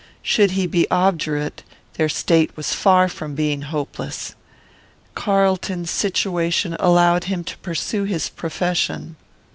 Should he be obdurate, their state was far from being hopeless. Carlton's situation allowed him to pursue his profession.